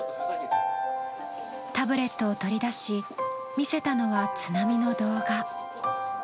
タブレットを取り出し見せたのは津波の動画。